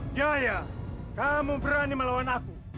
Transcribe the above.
jaya kamu berani melawan aku